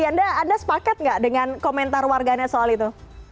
anda sepaket nggak dengan komentar warganya soal itu